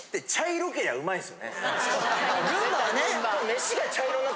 群馬はね。